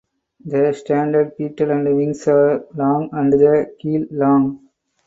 The standard petal and wings are long and the keel long.